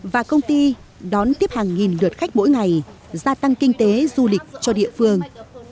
và công ty đón tiếp hàng nghìn lượt khách mỗi ngày gia tăng kinh tế du lịch cho địa phương